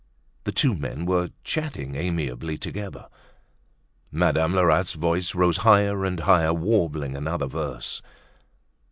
The two men were chatting amiably together. Madame Lerat's voice rose higher and higher, warbling another verse.